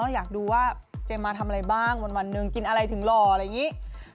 อยากดูว่าเจมมาทำอะไรบ้างวันหนึ่งกินอะไรถึงหล่ออะไรอย่างนี้